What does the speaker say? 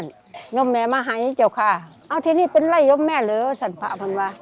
น้องแม่มาให้เจ้าข้าอ้าวทีนี้เป็นไร้น้องแม่เหรอสันภาพมันวะ